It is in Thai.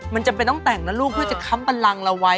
มันจำเป็นต้องแต่งนะลูกเพื่อจะค้ำบันลังเราไว้